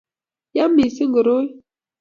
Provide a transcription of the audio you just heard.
ya mising koroi